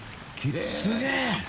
すげえ。